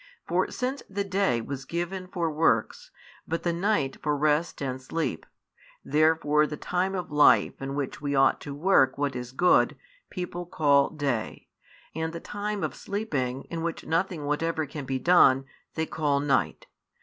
For since the day was given for works, but the night for rest and sleep, therefore the time of life in which we ought to work what is good, people call day; and the time of sleeping, in which nothing whatever can be done, they call night.